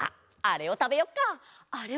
あれをたべよう。